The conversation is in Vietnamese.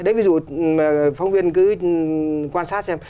đấy ví dụ phong viên cứ quan sát xem